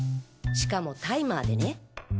しかもタイマーでね。